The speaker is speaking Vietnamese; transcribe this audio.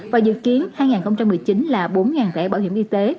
và dự kiến hai nghìn một mươi chín là bốn thẻ bảo hiểm y tế